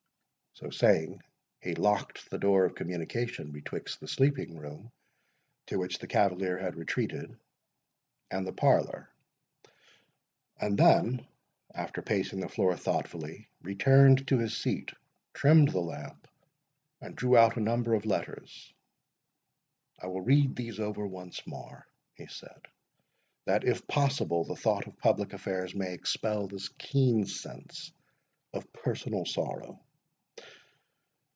So saying, he locked the door of communication betwixt the sleeping room, to which the cavalier had retreated, and the parlour;— and then, after pacing the floor thoughtfully, returned to his seat, trimmed the lamp, and drew out a number of letters.—"I will read these over once more," he said, "that, if possible, the thought of public affairs may expel this keen sense of personal sorrow.